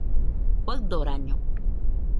Faɨdoraño